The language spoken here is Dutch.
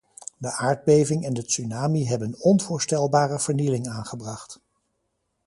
De aardbeving en de tsunami hebben onvoorstelbare vernieling aangebracht.